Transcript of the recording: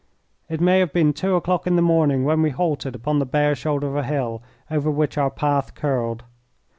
It may have been two o'clock in the morning when we halted upon the bare shoulder of a hill over which our path curled.